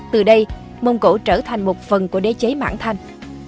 từ đây mông cổ trở thành một phần của đế chế mãng thanh